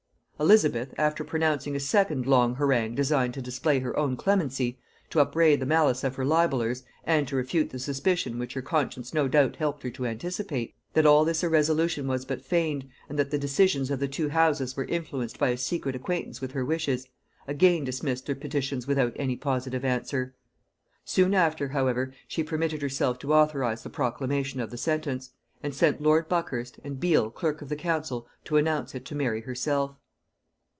Elizabeth, after pronouncing a second long harangue designed to display her own clemency, to upbraid the malice of her libellers, and to refute the suspicion, which her conscience no doubt helped her to anticipate, that all this irresolution was but feigned, and that the decisions of the two houses were influenced by a secret acquaintance with her wishes, again dismissed their petitions without any positive answer. Soon after, however, she permitted herself to authorize the proclamation of the sentence, and sent lord Buckhurst, and Beal clerk of the council, to announce it to Mary herself.